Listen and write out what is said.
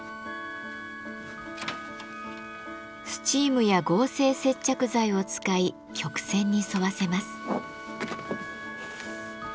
スチームや合成接着剤を使い曲線に沿わせます。